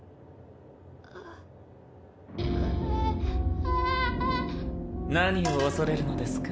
あっうぅああっ何を恐れるのですか？